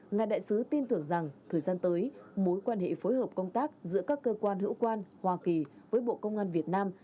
ngài đại sứ tin tưởng rằng thời gian tới mối quan hệ phối hợp công tác giữa các cơ quan hữu quan hoa kỳ với bộ công an việt nam